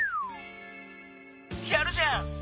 やるじゃん。